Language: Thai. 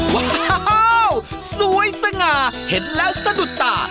อ้าวสวยสง่าเห็นแล้วสะดุดตา